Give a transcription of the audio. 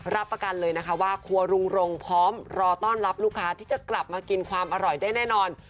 รับประกันเลยนะคะว่าครัวรุงรงค์พร้อมรอต้อนรับลูกค้าที่จะกลับมากินความอร่อยได้แน่นอน